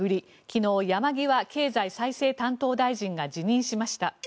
昨日、山際経済再生担当大臣が辞任しました。